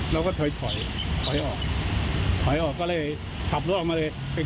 ให้ไปจัดการนะที